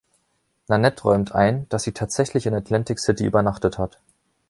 Nanette räumt ein, dass sie tatsächlich in Atlantic City übernachtet hat.